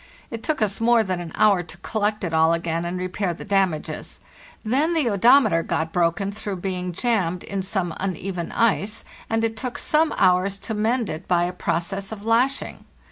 It took us more than an hour to collect it all again and repair the damages. Then the odometer got broken through being jammed in some uneven ice, and it took some hours to mend it by a process of lashing.